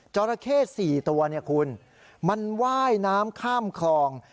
จราเข้๔ตัวเนี่ยคุณมันว่ายน้ำข้ามคลอง